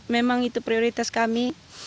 memang itu prioritas kami